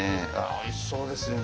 おいしそうですね。